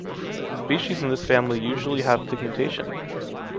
Species in this family usually have pigmentation.